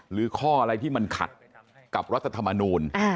หรือข้ออะไรที่มันขัดกับรัฐธรรมนูล